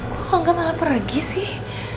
kok gak malah pergi sih